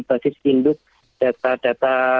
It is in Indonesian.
basis induk data data